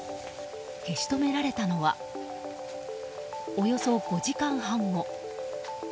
消し止められたのはおよそ５時間半後。